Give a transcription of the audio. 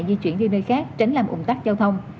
di chuyển đi nơi khác tránh làm ủng tắc giao thông